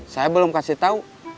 saya belum kasih tahu